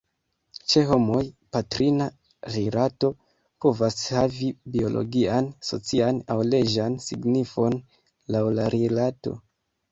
Ĉe homoj, patrina rilato povas havi biologian, socian, aŭ leĝan signifon, laŭ la rilato.